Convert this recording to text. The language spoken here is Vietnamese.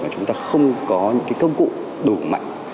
và chúng ta không có những cái công cụ đủ mạnh